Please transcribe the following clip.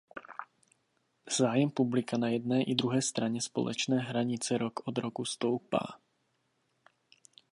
Zájem publika na jedné i druhé straně společné hranice rok od roku stoupá.